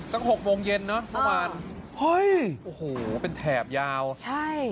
ตั้งหกโมงเย็นเนอะประมาณโอ้ยโอ้โหเป็นแถบยาวใช่